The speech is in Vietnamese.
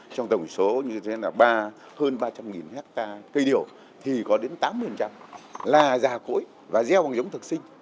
trong tổng số như thế là hơn ba trăm linh hectare cây điều thì có đến tám là già cỗi và gieo bằng giống thực sinh